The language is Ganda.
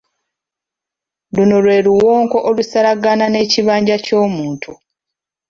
Luno lwe luwonko olusalagana n'ekibanja ky'omuntu.